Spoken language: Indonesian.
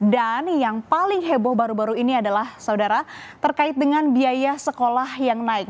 dan yang paling heboh baru baru ini adalah saudara terkait dengan biaya sekolah yang naik